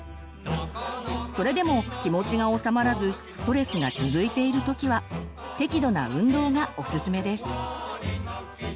それでも気持ちがおさまらずストレスが続いている時は適度な運動がおすすめです。